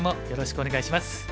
よろしくお願いします。